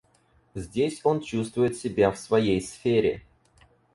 Здесь он чувствует себя в своей сфере.